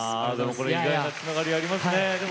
意外なつながりありますね。